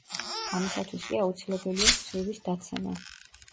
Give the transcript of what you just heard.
ამისათვის კი აუცილებელია სხივის დაცემა.